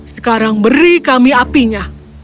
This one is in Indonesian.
sekarang beri kami apinya